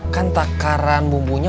kan takaran bumbunya